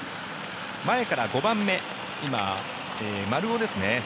前から５番目今、丸尾ですね。